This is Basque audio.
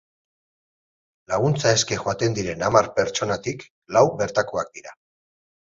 Laguntza eske joaten diren hamar pertsonatik lau bertakoak dira.